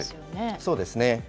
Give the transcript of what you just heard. そうですね。